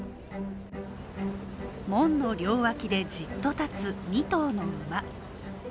門の両脇でじっと立つ２頭の馬。